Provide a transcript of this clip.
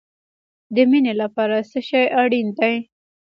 د مینې لپاره څه شی اړین دی؟